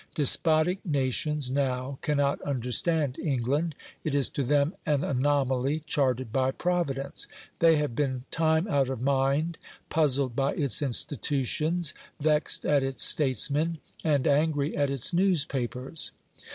Despotic nations now cannot understand England; it is to them an anomaly "chartered by Providence"; they have been time out of mind puzzled by its institutions, vexed at its statesmen, and angry at its newspapers.